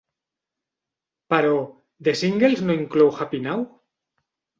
Però, The Singles no inclou Happy Now?